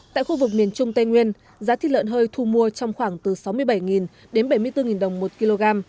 tại khu vực miền trung tây nguyên giá thịt lợn hơi thu mua trong khoảng từ sáu mươi bảy đến bảy mươi bốn đồng một kg